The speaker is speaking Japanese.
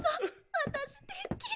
私てっきり。